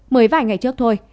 mới vài ngày trước thôi